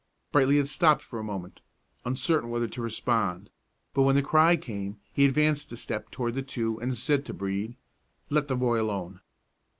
Brightly had stopped for a moment, uncertain whether to respond; but when the cry came, he advanced a step toward the two, and said to Brede, "Let the boy alone."